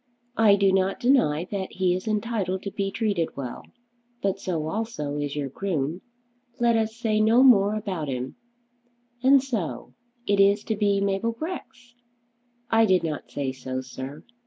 "I do not deny that he is entitled to be treated well; but so also is your groom. Let us say no more about him. And so it is to be Mabel Grex?" "I did not say so, sir.